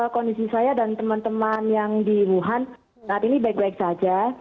kondisi saya dan teman teman yang di wuhan saat ini baik baik saja